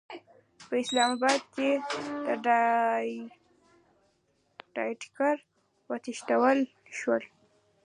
په اسلاماباد کې د ډایرکټر وتښتول شو.